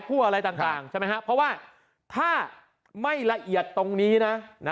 อะไรต่างใช่ไหมครับเพราะว่าถ้าไม่ละเอียดตรงนี้นะ